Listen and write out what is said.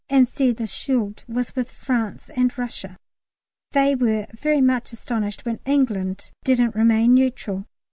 and said the Schuld was with France and Russia. They were very much astonished when England didn't remain neutral!